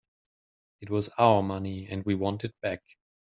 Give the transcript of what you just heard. It was our money and we want it back.